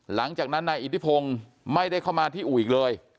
หลังจากนั้นนายอิทธิพงศ์ไม่ได้เข้ามาที่อู่อีกเลย